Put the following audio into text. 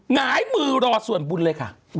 หงายมือรอส่วนบุญเลยค่ะ